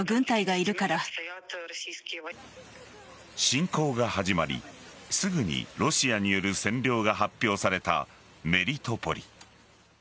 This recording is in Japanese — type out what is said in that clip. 侵攻が始まり、すぐにロシアによる占領が発表されたメリトポリ。